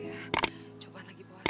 kayaknya lagi ada masalah sama mobilnya